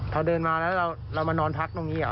ถ้าเดินมาเรามานอนพักตรงนี้หรือ